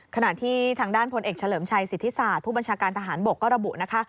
ขณะที่ทางด้านพลเอกเฉลิมชัยสิทธิศาสตร์ผู้บัญชาการทหารบกก็ระบุนะคะ